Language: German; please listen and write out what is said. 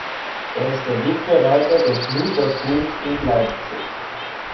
Er ist der Wegbereiter des Luthertums in Leipzig.